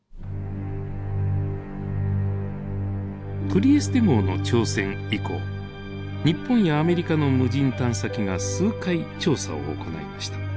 トリエステ号の挑戦以降日本やアメリカの無人探査機が数回調査を行いました。